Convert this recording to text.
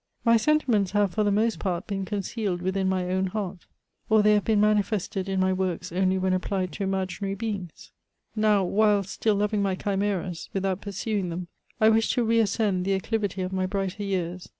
My sentiments have, for the most part, been concealed within my own heart ; or they have been manifested, in my works, only when applied to imaginary beings. Now, whilst still loving my chimeras, without pursuing them, I wish to re ascend the acclivity of my brighter years.